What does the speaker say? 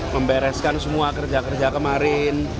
membereskan semua kerja kerja kemarin